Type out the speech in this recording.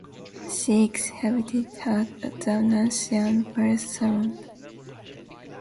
She exhibited at the Nancy and Paris Salons.